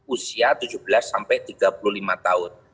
usia tujuh belas sampai tiga puluh lima tahun